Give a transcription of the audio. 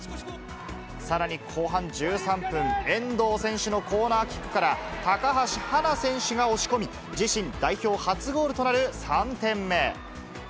さらに後半１３分、遠藤選手のコーナーキックから、高橋はな選手が押し込み、自身代表初ゴールとなる３点目。